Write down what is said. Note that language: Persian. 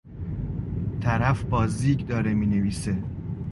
طرف با زیگ داره مینویسه.